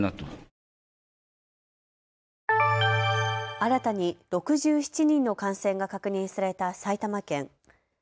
新たに６７人の感染が確認された埼玉県。